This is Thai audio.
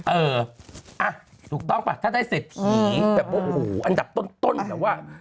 เอออ่ะถูกต้องป่ะถ้าได้เศรษฐีแบบโอ้โหอันดับต้นแบบว่า